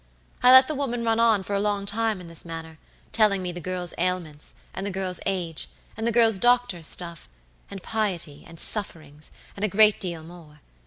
"I let the woman run on for a long time in this manner, telling me the girl's ailments, and the girl's age, and the girl's doctor's stuff, and piety, and sufferings, and a great deal more.